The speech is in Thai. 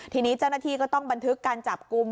ทีนี้เจ้าหน้าที่ก็ต้องบันทึกการจับกลุ่ม